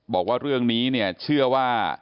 บอกว่าเรื่องนี้เชื่อว่า